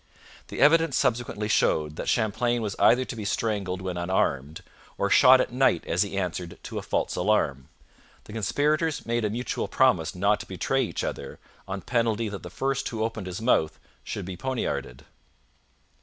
The evidence subsequently showed that Champlain was either to be strangled when unarmed, or shot at night as he answered to a false alarm. The conspirators made a mutual promise not to betray each other, on penalty that the first who opened his mouth should be poniarded.